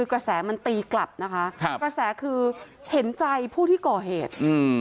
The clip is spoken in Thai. กระแสมันตีกลับกระแสคือเห็นใจผู้ที่ก่อเหตุ